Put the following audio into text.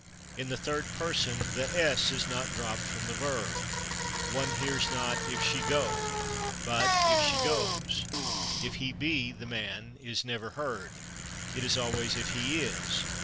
In the third person the / s/ is not dropped from the verb. One hears, not "if she /go/," but "if she /goes/." "If he /be/ the man" is never heard; it is always "if he /is